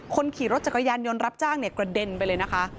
คนขี่รถจักรยานยนต์รับจ้างเนี่ยกระเด็นไปเลยนะคะ